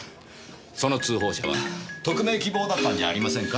その通報者は匿名希望だったんじゃありませんか？